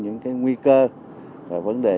những nguy cơ vấn đề